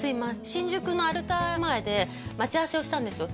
新宿のアルタ前で待ち合わせをしたんですよ